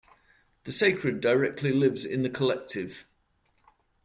The sacred directly lives in the collective.